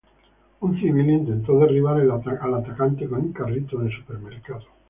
Un civil intentó derribar al atacante con un carrito de supermercado.